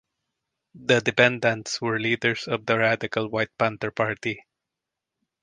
The defendants were leaders of the radical White Panther Party.